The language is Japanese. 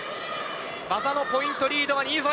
技のポイントリードは新添。